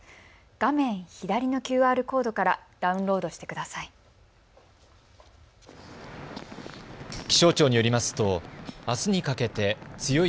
画面左のＱＲコードからダウンロードしてください。